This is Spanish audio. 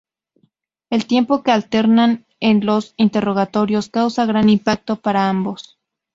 El tiempo que alternan en los interrogatorios causa gran impacto para ambos.